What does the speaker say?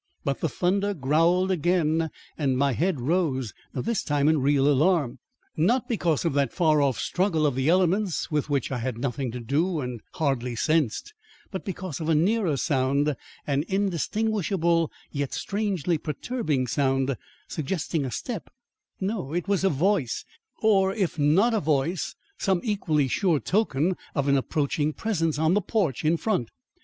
But the thunder growled again and my head rose, this time in real alarm. Not because of that far off struggle of the elements with which I had nothing to do and hardly sensed, but because of a nearer sound, an indistinguishable yet strangely perturbing sound, suggesting a step no, it was a voice, or if not a voice, some equally sure token of an approaching presence on the porch in front.